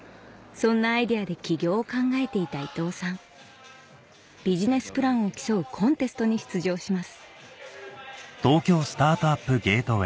そんなアイデアで起業を考えていた伊藤さんビジネスプランを競うコンテストに出場します